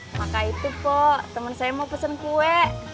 maka itu po temen saya mau pesen kue